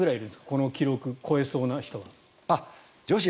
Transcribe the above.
この記録超えそうな人は。